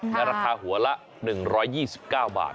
ในราคาหัวละ๑๒๙บาท